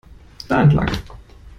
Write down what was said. Da entlang!